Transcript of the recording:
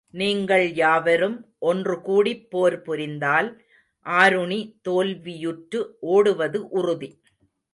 நீங்கள் யாவரும் ஒன்று கூடிப் போர் புரிந்தால், ஆருணி தோல்வியுற்று ஓடுவது உறுதி.